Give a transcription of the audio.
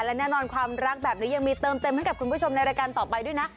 และแน่นอนความรักแบบนี้ยังมีเติมเต็มให้กับคุณผู้ชมในรายการต่อไปด้วยนะ